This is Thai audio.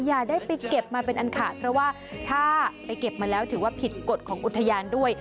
อย่าได้ไปเก็บมาเป็นอันขาดเพราะว่าถ้าไปเก็บมาแล้วถือว่าผิดกฎของอุทยานด้วย